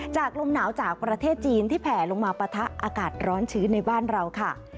ลมหนาวจากประเทศจีนที่แผ่ลงมาปะทะอากาศร้อนชื้นในบ้านเราค่ะ